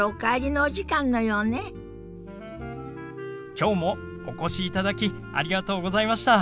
きょうもお越しいただきありがとうございました。